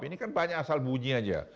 ini kan banyak asal buji aja